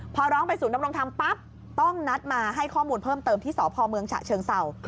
พอร้องไปศูนยำรงธรรมปั๊บต้องนัดมาให้ข้อมูลเพิ่มเติมที่สพเมืองฉะเชิงเศร้า